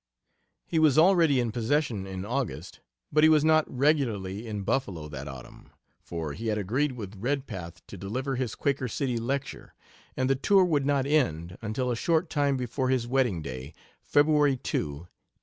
He was already in possession in August, but he was not regularly in Buffalo that autumn, for he had agreed with Redpath to deliver his Quaker City lecture, and the tour would not end until a short time before his wedding day, February 2, 1870.